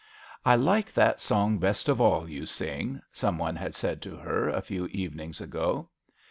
" I like that song best of all you sing/' some one had said to her a few evenings ago.